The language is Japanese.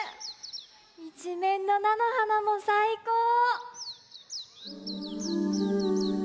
いちめんのなのはなもさいこう！